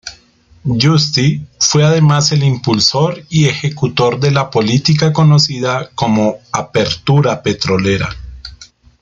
Giusti fue además el impulsor y ejecutor de la política conocida como "Apertura Petrolera".